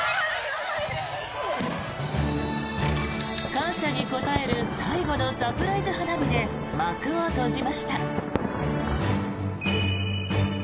感謝に応える最後のサプライズ花火で幕を閉じました。